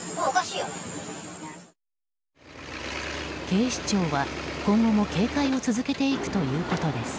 警視庁は今後も警戒を続けていくということです。